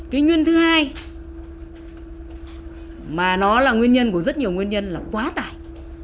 cái nguyên thứ hai mà nó là nguyên nhân của rất nhiều nguyên nhân là quá tải